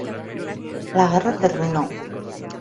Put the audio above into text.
La guerra terminó.